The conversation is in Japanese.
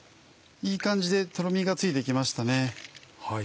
いい感じでトロミがついて来ましたね。